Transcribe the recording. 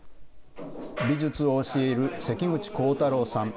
美術を教える関口光太郎さん。